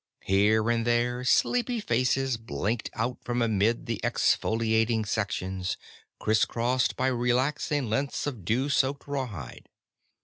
Here and there, sleepy faces blinked out from amid the exfoliating sections, criss crossed by relaxing lengths of dew soaked rawhide.